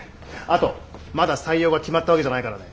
あとまだ採用が決まったわけじゃないからね。